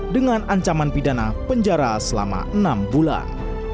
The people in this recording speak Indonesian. dengan ancaman pidana penjara selama enam bulan